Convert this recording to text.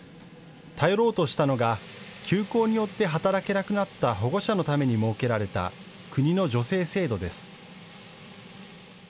頼ろうとしたのが休校によって働けなくなった保護者のために設けられた国の助成制度です。